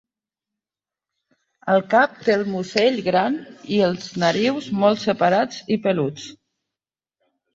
El cap té el musell gran i els narius molt separats i peluts.